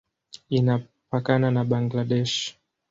Inapakana na Bangladesh.